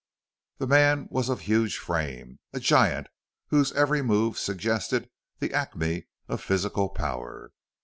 The man was of huge frame, a giant whose every move suggested the acme of physical power.